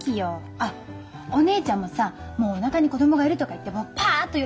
あっお姉ちゃんもさもうおなかに子供がいるとか言ってパッと喜ばしちゃおうよ。